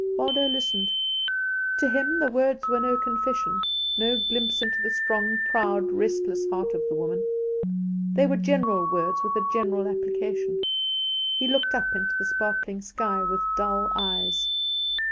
Waldo listened. To him the words were no confession, no glimpse into the strong, proud, restless heart of the woman. They were general words with a general application. He looked up into the sparkling sky with dull eyes.